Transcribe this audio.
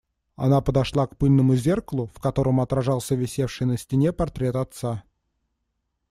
Она подошла к пыльному зеркалу, в котором отражался висевший на стене портрет отца.